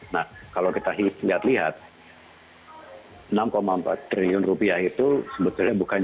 nah kalau kita lihat lihat enam empat triliun rupiah itu sebetulnya bukan